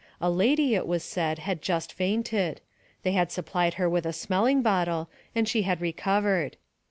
A lady, it was said, had just fainted; they had supplied her with a smelling bottle, and she had recovered.